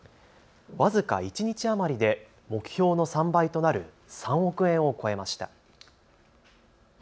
僅か一日余りで目標の３倍となる３億円を超えました。